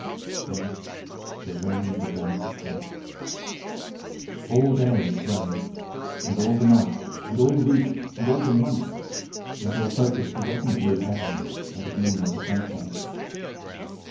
Then the rain began to fall. All day it rained, and all the night and all the week and all the month, until folk had forgotten the blue heavens and the gleam of the sunshine.